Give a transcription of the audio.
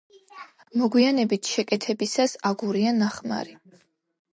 მოგვიანებით შეკეთებისას აგურია ნახმარი.